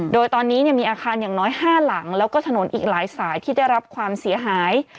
โดยตอนนี้มีอาคารอย่างน้อย๕หลังแล้วก็ถนนอีกหลายสายที่ได้รับความเสียหาย